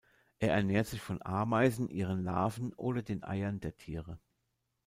Er ernährt sich von Ameisen, ihren Larven oder den Eiern der Tiere.